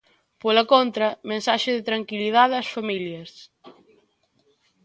Pola contra, mensaxe de tranquilidade ás familias.